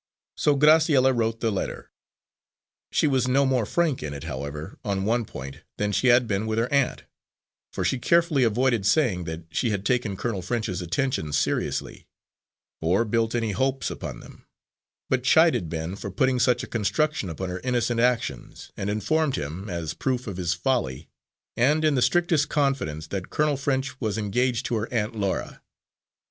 So Graciella wrote the letter. She was no more frank in it, however, on one point, than she had been with her aunt, for she carefully avoided saying that she had taken Colonel French's attentions seriously, or built any hopes upon them, but chided Ben for putting such a construction upon her innocent actions, and informed him, as proof of his folly, and in the strictest confidence, that Colonel French was engaged to her Aunt Laura.